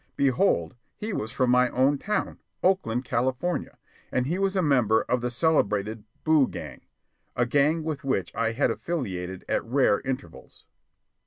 Behold, he was from my own town, Oakland, California, and he was a member of the celebrated Boo Gang a gang with which I had affiliated at rare intervals.